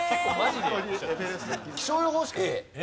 気象予報士Ａ？